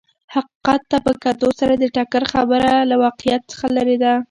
حقیقت ته په کتو سره د ټکر خبره له واقعیت څخه لرې ده.